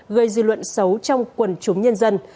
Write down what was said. gây dư luận xấu trong quần chúng nhân dân